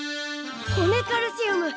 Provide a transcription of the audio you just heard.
骨カルシウム。